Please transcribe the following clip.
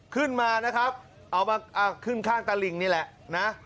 ขึ้นมานะครับเอามาขึ้นข้างตลิงนี่แหละนะ